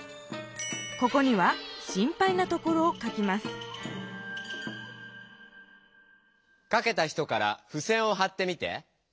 ここには「心配なところ」を書きます書けた人からふせんをはってみて。